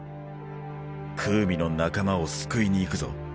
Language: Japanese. クウミの仲間を救いに行くぞ。